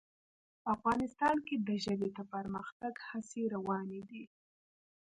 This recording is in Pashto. افغانستان کې د ژبې د پرمختګ هڅې روانې دي.